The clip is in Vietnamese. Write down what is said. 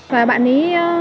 và bạn ấy